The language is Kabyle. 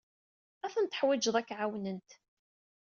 Ad tent-teḥwijed ad k-ɛawnent.